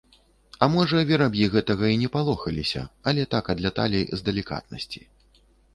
А можа, вераб'і гэтага і не палохаліся, але так адляталі, з далікатнасці.